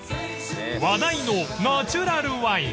［話題のナチュラルワイン］